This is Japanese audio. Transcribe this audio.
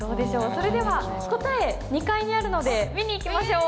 それでは答え２階にあるので見に行きましょう。